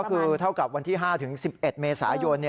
ก็คือเท่ากับวันที่๕ถึง๑๑เมษายน